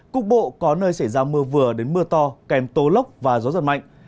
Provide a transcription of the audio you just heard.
cục bộ có nơi xảy ra mưa vừa đến mưa to kèm tố lốc và gió giật mạnh